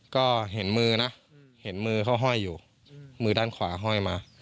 ก็เห็นมือนะเห็นมือเขาห้อยอยู่มือด้านขวาห้อยมา